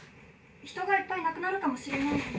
人がいっぱい亡くなるかもしれないのに。